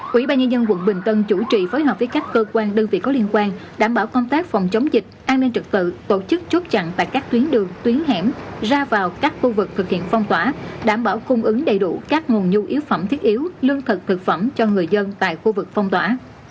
quỹ ba nhân dân quận bình tân chủ trì phối hợp với các cơ quan đơn vị có liên quan đảm bảo công tác phòng chống dịch an ninh trực tự tổ chức chốt chặn tại các tuyến đường tuyến hẻm ra vào các khu vực thực hiện phong tỏa đảm bảo cung ứng đầy đủ các nguồn nhu yếu phẩm thiết yếu lương thực thực phẩm cho người dân tại khu vực phong tỏa